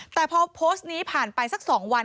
แต่พอโพสต์นี้ผ่านไปสัก๒วัน